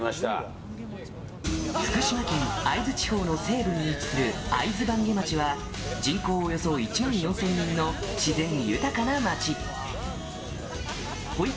福島県会津地方の西部に位置する会津坂下町は、人口およそ１万４０００人の自然豊かな町。